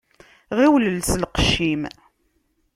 Ɣiwel els lqecc-im.